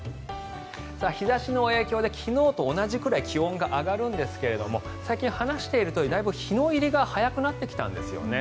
日差しの影響で昨日と同じくらい気温が上がるんですが最近話しているようにだいぶ日の入りが早くなってきたんですよね。